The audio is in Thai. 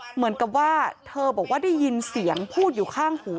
เหมือนกับว่าเธอบอกว่าได้ยินเสียงพูดอยู่ข้างหู